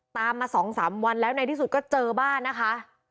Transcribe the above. ตามมา๒๓วันแล้วในที่สุดก็เจอบ้านนะคะ